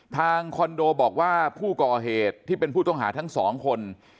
คอนโดบอกว่าผู้ก่อเหตุที่เป็นผู้ต้องหาทั้งสองคน